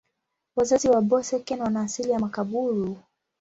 Wazazi wa Boeseken wana asili ya Makaburu.